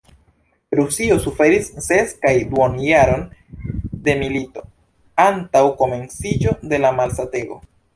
Rusio suferis ses kaj duonjaron je milito, antaŭ komenciĝo de la malsatego.